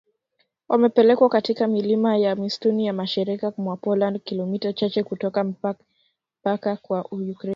wamepelekwa katika milima ya msituni ya mashariki mwa Poland kilomita chache kutoka mpaka wa Ukraine